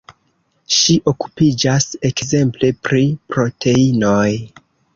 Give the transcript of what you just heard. Ŝi okupiĝas ekzemple pri proteinoj.